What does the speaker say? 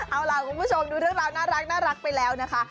เอาล่ะคุณผู้ชมดูเรื่องราวน่ารักไปแล้วนะคะ